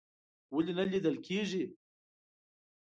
ولې نه لیدل کیږي؟